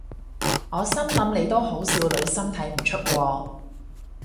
我心諗你都好少女心睇唔出喎